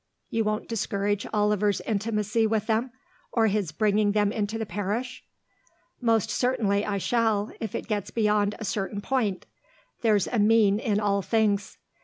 You won't discourage Oliver's intimacy with them, or his bringing them into the parish?" "Most certainly I shall, if it gets beyond a certain point. There's a mean in all things....